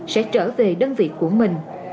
sẽ trở về đơn vị của mình